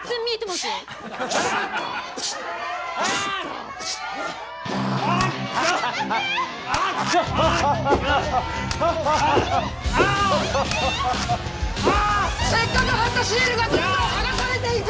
せっかく貼ったシールがどんどん剥がされていく！